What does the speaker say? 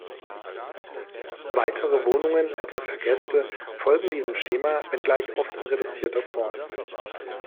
Weitere Wohnungen, etwa für Gäste, folgen diesem Schema, wenngleich oft in reduzierter Form.